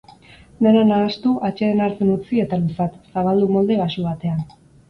Dena nahastu, atseden hartzen utzi eta luzatu, zabaldu molde baxu batean.